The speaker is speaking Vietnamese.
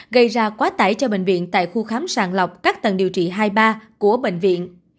gây ra quá tải cho bệnh viện tại khu khám sàng lọc các tầng điều trị hai ba của bệnh viện